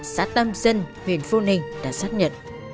xã tam sân huyện phú ninh đã xác nhận